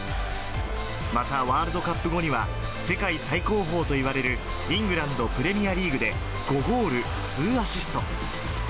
またワールドカップ後には、世界最高峰といわれるイングランドプレミアリーグで、５ゴール２アシスト。